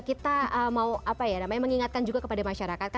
kita mau mengingatkan juga kepada masyarakat